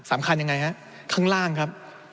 สำคัญยังไงฮะข้างล่างครับ